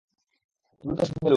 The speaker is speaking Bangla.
এগুলো তো সব বেলুন।